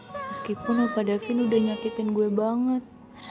meskipun aku davin udah nyakitin gue banget